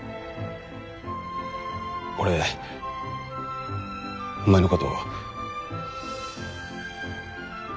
俺お前のこと。